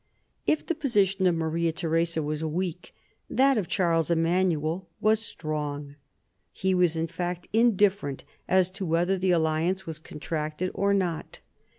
If the position of Maria Theresa was weak, that of Charles Emanuel was strong. He was in fact indifferent as to whether the alliance was contracted or not.